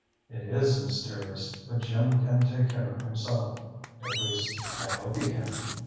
"It is mysterious, but Jim can take care of himself; at least, I hope he can.